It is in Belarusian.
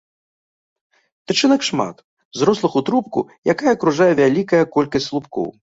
Тычынак шмат, зрослых у трубку, якая акружае вялікая колькасць слупкоў.